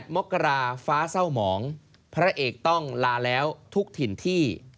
มกราฟ้าเศร้าหมองพระเอกต้องลาแล้วทุกถิ่นที่